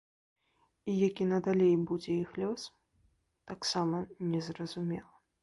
І які надалей будзе іх лёс, таксама незразумела.